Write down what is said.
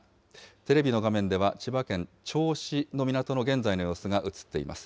テレビの画面では千葉県銚子の港の現在の様子が映っています。